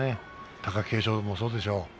貴景勝もそうでしょう。